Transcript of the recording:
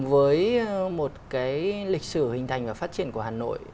với một cái lịch sử hình thành và phát triển của hà nội